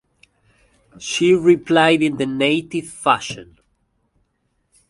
She replied in the native fashion.